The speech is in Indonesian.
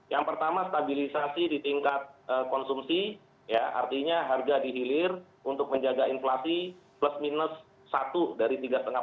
yang pertama stabilisasi di tingkat konsumsi artinya harga dihilir untuk menjaga inflasi plus minus satu dari tiga lima